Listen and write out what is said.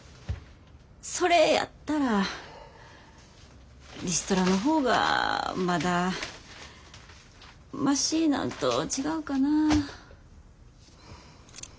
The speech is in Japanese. それやったらリストラの方がまだマシなんと違うかな。